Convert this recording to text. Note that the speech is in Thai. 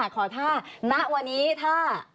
ขอถ้าณวันนี้ถ้า